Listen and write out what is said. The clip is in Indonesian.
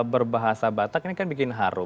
berbahasa batak ini kan bikin haru